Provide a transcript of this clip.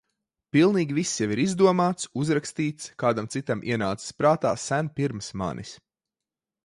Pilnīgi viss jau ir izdomāts, uzrakstīts, kādam citam ienācis prātā sen pirms manis.